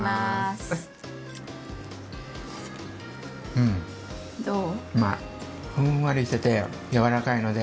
うん。どう？